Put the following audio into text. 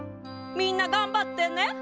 みんながんばってね！